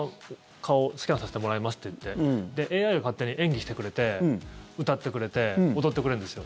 顔スキャンさせてもらいますって言ってＡＩが勝手に演技してくれて歌ってくれて踊ってくれるんですよ。